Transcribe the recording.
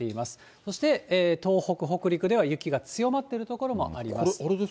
そして、東北、北陸では雪が強まっている所もあります。